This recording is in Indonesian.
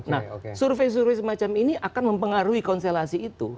nah survei survei semacam ini akan mempengaruhi konstelasi itu